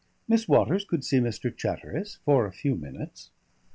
Miss Waters could see Mr. Chatteris for a few minutes.